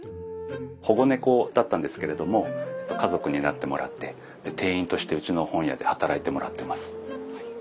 保護猫だったんですけれども家族になってもらって店員としてうちの本屋で働いてもらっています。